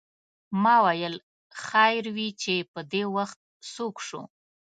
ما ویل خیر وې چې پدې وخت څوک شو.